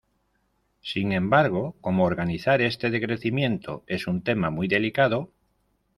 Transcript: Sin embargo, cómo organizar este decrecimiento es un tema muy delicado.